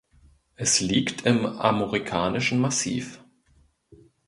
Es liegt im armorikanischen Massiv.